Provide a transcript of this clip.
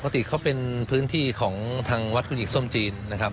ปกติเขาเป็นพื้นที่ของทางวัดคุณหญิงส้มจีนนะครับ